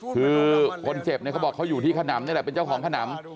คือคนเจ็บเขาบอกอยู่ที่ขนำเป็นเจ้าของขนำ